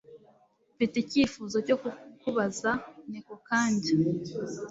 Mfite icyifuzo cyo kukubaza NekoKanjya